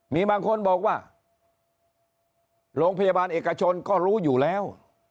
มีบางคนบอกว่าโรงพยาบาลเอกชนก็รู้อยู่แล้ว